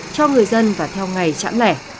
cho người dân và theo ngày chẵn lẻ